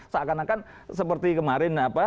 seakan akan seperti kemarin